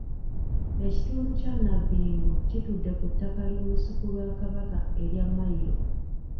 Ekitundu kya Nabbingo kitudde ku ttaka ly’olusuku lwa Kabaka erya mmayiro.